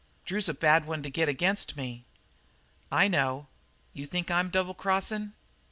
"Drew's a bad one to get against me." "I know. You think I'm double crossin'?"